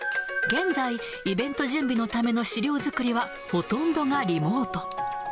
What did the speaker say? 現在、イベント準備のための資料作りはほとんどがリモート。